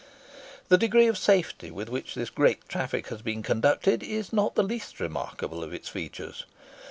The degree of safety with which this great traffic has been conducted is not the least remarkable of its features.